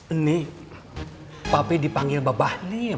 ini pape dipanggil bapak lim